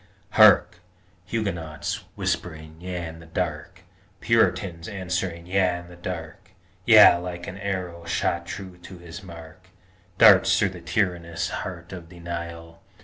_ Hark! Huguenots whispering yea in the dark, Puritans answering yea in the dark! Yea like an arrow shot true to his mark, Darts through the tyrannous heart of Denial.